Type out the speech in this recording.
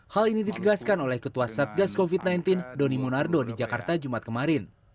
hal ini ditegaskan oleh ketua satgas covid sembilan belas doni monardo di jakarta jumat kemarin